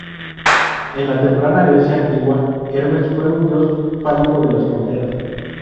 En la temprana Grecia Antigua, Hermes fue un dios fálico de las fronteras.